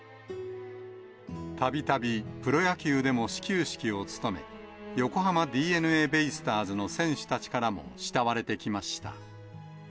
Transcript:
たびたび、プロ野球でも始球式を務め、横浜ＤｅＮＡベイスターズの選手たちからも慕われてきました。